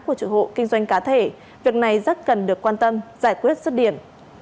của chủ hộ kinh doanh cá thể việc này rất cần được quan tâm giải quyết xuất điểm